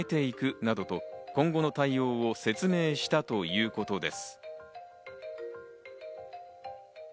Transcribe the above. などと、今後の対応を説明したということです。